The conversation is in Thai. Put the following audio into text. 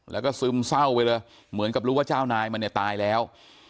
แล้วก็ซึมเศร้าไปเลยเหมือนกับรู้ว่าเจ้านายมันเนี่ยตายแล้ว